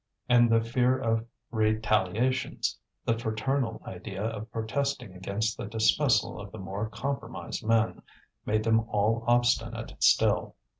and the fear of retaliations, the fraternal idea of protesting against the dismissal of the more compromised men, made them all obstinate still.